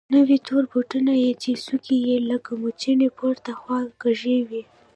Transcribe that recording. نوي تور بوټونه يې چې څوکې يې لکه موچڼې پورته خوا کږې وې.